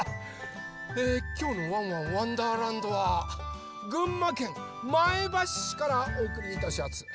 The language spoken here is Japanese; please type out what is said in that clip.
えきょうの「ワンワンわんだーらんど」は群馬県前橋市からおおくりいたしやす。